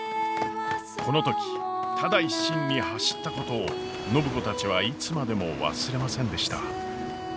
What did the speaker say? この時ただ一心に走ったことを暢子たちはいつまでも忘れませんでした。